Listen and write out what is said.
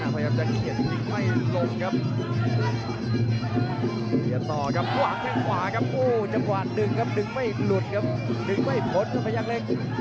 เพียงต่อกับหวังข้างขวากับผู้จับหวัดดึงครับดึงไม่หลุดครับดึงไม่พ้นครับพระยักษ์เล็ก